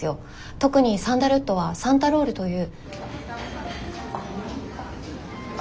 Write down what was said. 特にサンダルウッドはサンタロールという。